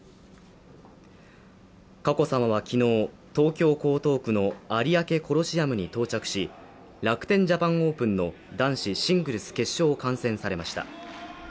佳子さまは昨日、東京・江東区の有明コロシアムに到着し楽天・ジャパン・オープンの男子シングルス決勝を観戦されました。